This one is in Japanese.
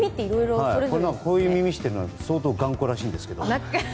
こういう耳してるのって相当頑固らしいですけど。